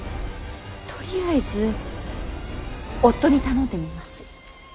とりあえず夫に頼んでみます。